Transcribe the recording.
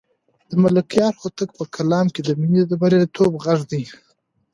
د ملکیار هوتک په کلام کې د مینې د بریالیتوب غږ دی.